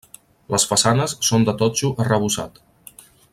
Les façanes són de totxo arrebossat.